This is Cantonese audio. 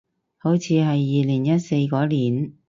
好似係二零一四嗰年